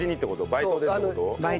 バイトでって事？